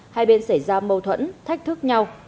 hai bên xảy ra mâu thuẫn thách thức nhau